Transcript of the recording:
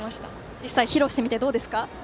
実際、披露してみてどうですか。